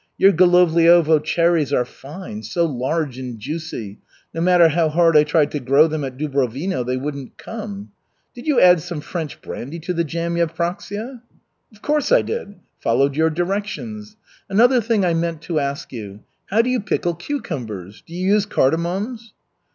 Your Golovliovo cherries are fine, so large and juicy. No matter how hard I tried to grow them at Dubrovino, they wouldn't come. Did you add some French brandy to the jam, Yevpraksia?" "Of course I did. Followed your directions. Another thing I meant to ask you, how do you pickle cucumbers, do you use cardamoms?"